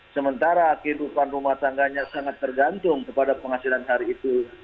sementara kehidupan rumah tangganya sangat tergantung kepada penghasilan hari itu